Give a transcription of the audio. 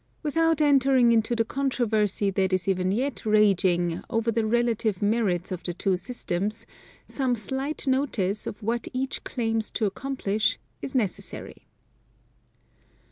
Without entering into the controversy that is even yet raging over the relative merits of the two systems, some slight notice of what each claims to accomplish is necessary.